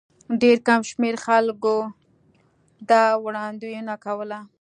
ډېر کم شمېر خلکو دا وړاندوینه کوله.